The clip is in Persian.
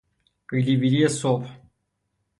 قیلی ویلی صبح